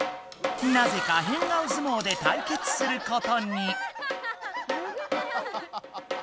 なぜか変顔相撲で対決することに！